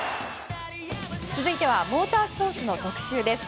続いてはモータースポーツの特集です。